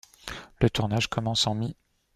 Le tournage commence en mi-.